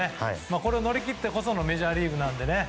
これを乗り切ってこそのメジャーリーグなんでね。